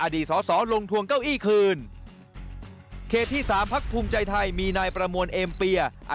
สอสอลงทวงเก้าอี้คืนเขตที่สามพักภูมิใจไทยมีนายประมวลเอ็มเปีย